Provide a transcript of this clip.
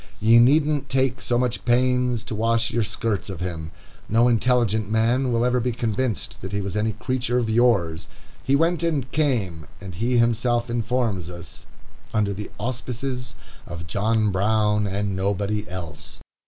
Ye needn't take so much pains to wash your skirts of him. No intelligent man will ever be convinced that he was any creature of yours. He went and came, as he himself informs us, "under the auspices of John Brown and nobody else."